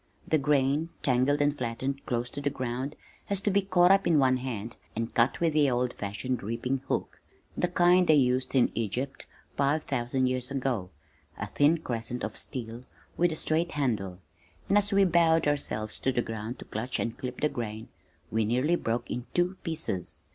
The grain, tangled and flattened close to the ground, had to be caught up in one hand and cut with the old fashioned reaping hook, the kind they used in Egypt five thousand years ago a thin crescent of steel with a straight handle, and as we bowed ourselves to the ground to clutch and clip the grain, we nearly broke in two pieces.